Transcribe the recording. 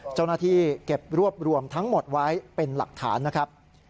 เจ้าหน้าที่เก็บรวบรวมทั้งหมดไว้เป็นหลักฐานนะครับ